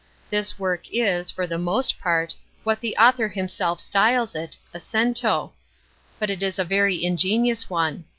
This work is, for the most part, what the author himself styles it, 'a cento;' but it is a very ingenious one.